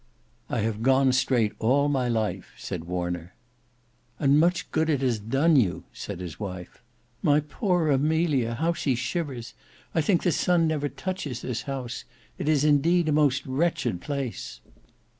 "I have gone straight all my life," said Warner. "And much good it has done you," said his wife. "My poor Amelia! How she shivers! I think the sun never touches this house. It is indeed a most wretched place!"